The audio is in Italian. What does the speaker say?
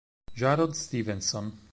Jarod Stevenson